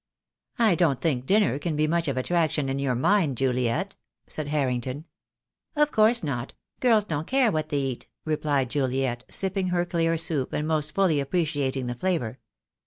"I don't think dinner can be much of attraction in your mind, Juliet," said Harrington. "Of course not — girls don't care what they eat/' replied Juliet, sipping her clear soup, and most fully ap preciating the flavour.